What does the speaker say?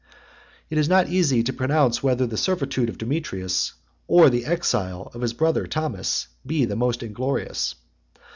It is not easy to pronounce whether the servitude of Demetrius, or the exile of his brother Thomas, 90 be the most inglorious.